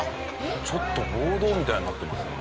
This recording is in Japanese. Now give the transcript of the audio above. ちょっと暴動みたいになってますよね。